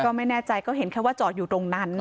ก็ไม่แน่ใจก็เห็นแค่ว่าจอดอยู่ตรงนั้น